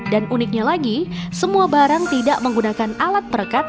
dan uniknya lagi semua barang tidak menggunakan alat perekat